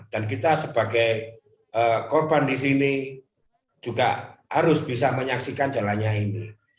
dan kita sebagai korban di sini juga harus bisa menyaksikan jalannya ini